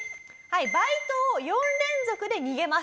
バイトを４連続で逃げます。